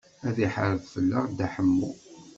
Ad iḥareb fell-aɣ Dda Ḥemmu.